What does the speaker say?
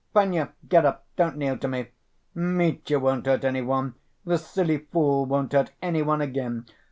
"Fenya, get up, don't kneel to me. Mitya won't hurt any one, the silly fool won't hurt any one again.